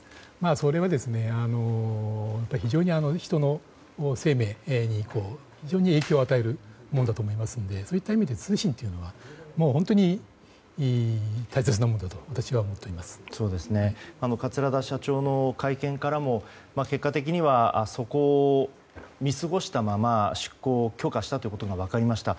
それは、やはり非常に人の生命に影響を与えるのでそういった意味で通信機器というのは本当に大切なものだと桂田社長の会見からも結果的にはそこを見過ごしたまま出航を許可したことが分かりました。